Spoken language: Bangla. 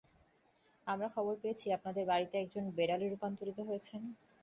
আমরা খবর পেয়েছি আপনাদের বাড়িতে একজন বিড়ালে রূপান্তরিত হয়েছেন।